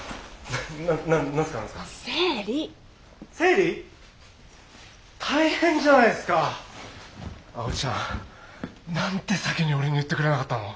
何で先に俺に言ってくれなかったの？